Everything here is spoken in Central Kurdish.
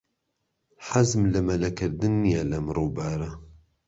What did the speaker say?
حەزم لە مەلەکردن نییە لەم ڕووبارە.